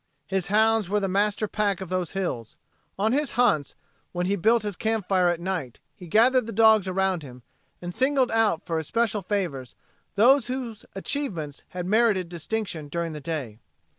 His hounds were the master pack of those hills. On his hunts when he built his campfire at night he gathered the dogs around him and singled out for especial favors those whose achievements had merited distinction during the day.